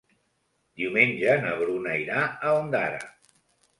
Diumenge na Bruna irà a Ondara.